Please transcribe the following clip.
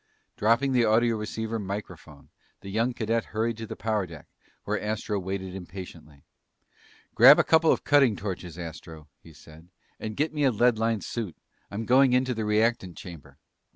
Dropping the audioceiver microphone, the young cadet hurried to the power deck, where Astro waited impatiently. "Grab a couple of cutting torches, Astro," he said, "and get me a lead lined suit. I'm going into the reactant chamber."